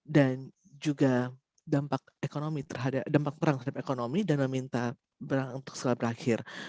dan juga dampak perang terhadap ekonomi dan meminta perang untuk selamat berakhir